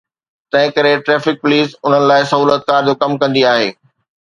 تنهنڪري traffic police انهن لاءِ سهولتڪار جو ڪم ڪندي آهي.